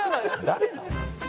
誰なん？